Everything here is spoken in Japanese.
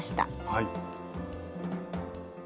はい。